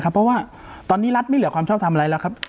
เพราะว่าตอนนี้รัฐไม่เหลือความชอบทำอะไรแล้วครับ